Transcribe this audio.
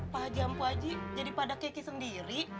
pak haji hampa haji jadi pada keki sendiri